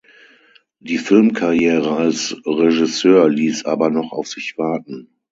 Die Filmkarriere als Regisseur ließ aber noch auf sich warten.